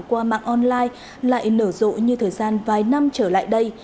qua mạng online lại nở rộ như thời gian vài năm trở lại đây